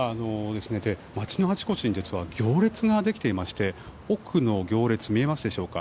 街のあちこちに行列ができていまして奥の行列、見えますでしょうか。